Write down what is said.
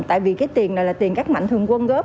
tại vì cái tiền này là tiền các mạnh thường quân góp